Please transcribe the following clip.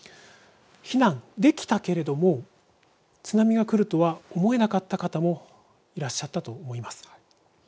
避難できたけれども津波が来るとは思えなかった方もいらっしゃったと思います。